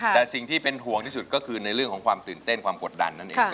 แต่สิ่งที่เป็นห่วงที่สุดก็คือในเรื่องของความตื่นเต้นความกดดันนั่นเอง